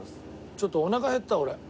ちょっとおなか減った俺。